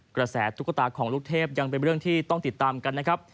ตุ๊กตาของลูกเทพยังเป็นเรื่องที่ต้องติดตามกันนะครับ